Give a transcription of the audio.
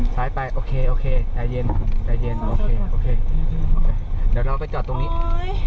ซ้ายไปโอเคโอเคใจเย็นใจเย็นโอเคโอเคเดี๋ยวเราไปจอดตรงนี้